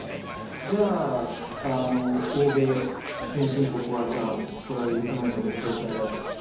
じゃあ、欧米、先進国はこれは許せないので制裁だと。